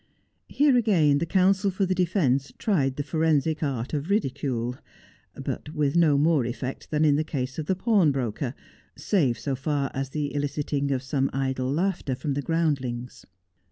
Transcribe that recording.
Here, again, the counsel for the defence tried the forensic art of ridicule, but with no more effect than in the case of the pawnbroker, save so far as the eliciting of <some idle laughter from the groundlings.